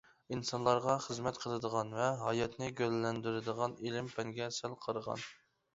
ئىنسانلارغا خىزمەت قىلىدىغان ۋە ھاياتنى گۈللەندۈرىدىغان ئىلىم-پەنگە سەل قارىغان.